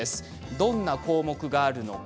どんな項目があるのか。